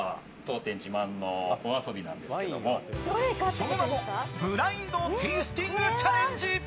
その名もブラインドテイスティングチャレンジ。